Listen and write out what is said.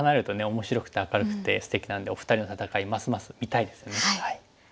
面白くて明るくてすてきなんでお二人の戦いますます見たいですね。